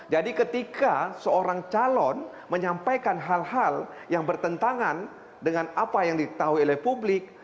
jadi ketika seorang calon menyampaikan hal hal yang bertentangan dengan apa yang ditahui oleh publik